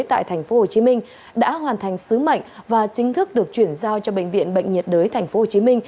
tại tp hcm đã hoàn thành sứ mệnh và chính thức được chuyển giao cho bệnh viện bệnh nhiệt đới tp hcm